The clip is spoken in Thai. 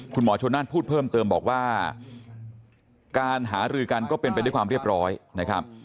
คุณหมอชนนั่นพูดเพิ่มเติมบอกว่าการหารือกันก็เป็นไปด้วยความเรียบร้อยนะครับ